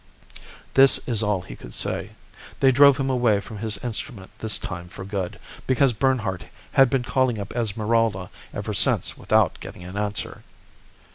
"This is all he could say. They drove him away from his instrument this time for good, because Bernhardt has been calling up Esmeralda ever since without getting an answer."